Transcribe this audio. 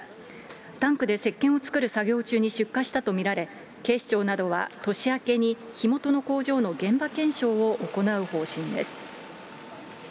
タンクでせっけんを作る作業中に出火したと見られ、警視庁などは、年明けに火元の工場の現場検証を行う方針です。